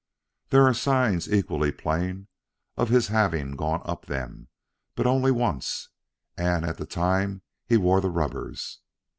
There are signs equally plain of his having gone up them, but only once, and at the time he wore the rubbers.